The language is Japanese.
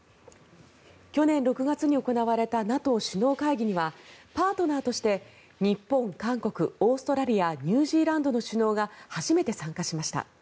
去年６月に行われたＮＡＴＯ首脳会議にはパートナーとして日本、韓国オーストラリアニュージーランドの首脳が初めて参加しました。